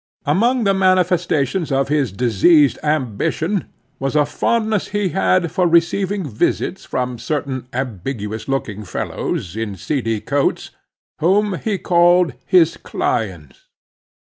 Among the manifestations of his diseased ambition was a fondness he had for receiving visits from certain ambiguous looking fellows in seedy coats, whom he called his clients.